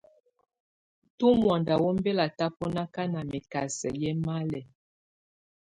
Tù mɔ̀ánda wù ɔmbɛla tabɔna na mɛkasɛ yɛ malɛ.